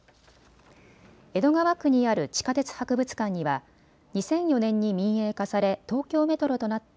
江戸川区にある地下鉄博物館には２００４年に民営化され東京メトロとなった